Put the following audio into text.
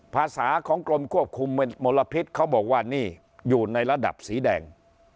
ภาษาของกรมควบคุมมลพิษเขาบอกว่านี่อยู่ในระดับสีแดง